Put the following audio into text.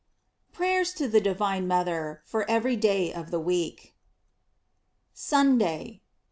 PRATERS TO THE DIVINE MOTHER FOB EVERY DAY OF THE WEEK. SUNDAY.